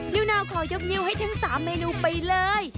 นิวนาวขอยกนิ้วให้ทั้ง๓เมนูไปเลย